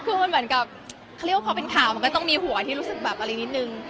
คือมันเหมือนกับเขาเรียกว่าพอเป็นข่าวมันก็ต้องมีหัวที่รู้สึกแบบอะไรนิดนึง